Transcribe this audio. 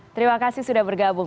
terima kasih sudah bergabung